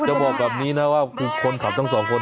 จะบอกคราวนี้นะว่าคือคนขับทั้ง๒คน